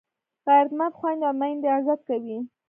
غیرتمند خویندي او میندې عزت کوي